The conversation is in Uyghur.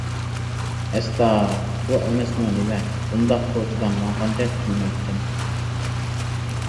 «ئەستا، بۇ ئەمەسمۇ نېمە؟ بۇنداق كوچىدا ماڭغاندەك قىلمايتتىم» .